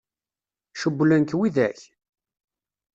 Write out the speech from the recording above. Cewwlen-k widak?